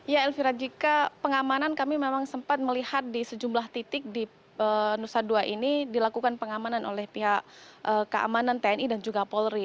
ya elvira jika pengamanan kami memang sempat melihat di sejumlah titik di nusa dua ini dilakukan pengamanan oleh pihak keamanan tni dan juga polri